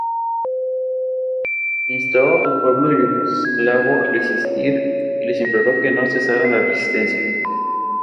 El cantante argentino El Original hizo una versión en cumbia de esta canción.